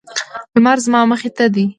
لمر زما مخې ته دی